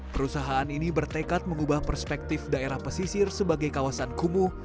perusahaan ini bertekad mengubah perspektif daerah pesisir sebagai kawasan kumuh